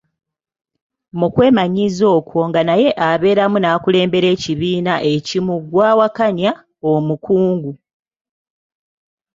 Mu kwemanyiiza okwo nga naye abeeramu n'akulembera ekibiina ekimu ng'awakanya omukungu.